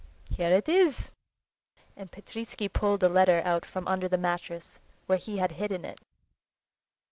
Here it is!"—and Petritsky pulled a letter out from under the mattress, where he had hidden it.